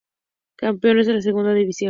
Campeones de la Segunda División.